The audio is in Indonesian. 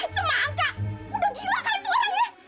semangka udah gila kak itu orangnya